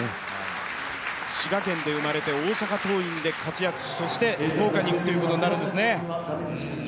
滋賀県で生まれて大阪桐蔭で活躍し、そして福岡にいくということになるんですね。